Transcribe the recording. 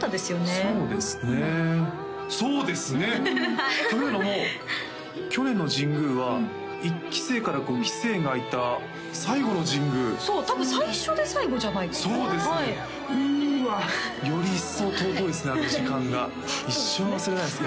そうですねそうですね！というのも去年の神宮は１期生から５期生がいた最後の神宮そう多分最初で最後じゃないかなそうですうわより一層尊いですねあの時間が一生忘れないですいや